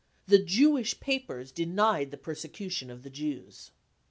The " Jewish papers 55 denied the persecution of the Jews.